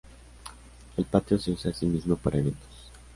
El patio se usa asimismo para eventos.